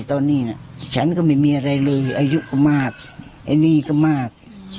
ตอนนี้น่ะฉันก็ไม่มีอะไรเลยอายุก็มากไอ้นี่ก็มาก